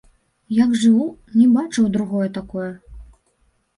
Як жыву, не бачыў другое такое!